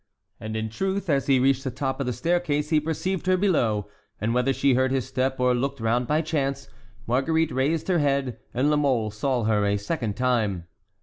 And in truth, as he reached the top of the staircase, he perceived her below; and whether she heard his step or looked round by chance, Marguerite raised her head, and La Mole saw her a second time.